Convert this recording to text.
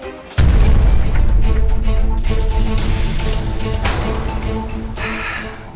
tidak ada pilihan lain nih